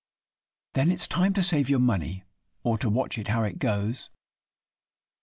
Then it's time to save your money, or to watch it (how it goes!)